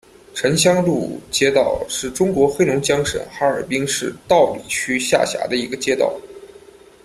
城乡路街道是中国黑龙江省哈尔滨市道里区下辖的一个街道。